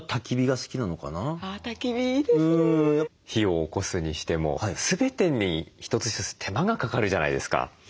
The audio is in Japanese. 火をおこすにしても全てに一つ一つ手間がかかるじゃないですか。